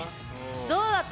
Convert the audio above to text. どうだった？